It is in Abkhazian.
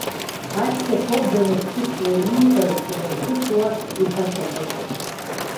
Ашьҭахьоуп даназхәыцуа ииҳәаз, даназхәыцуа иҳәашьахаз.